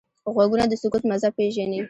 غوږونه د سکوت مزه پېژني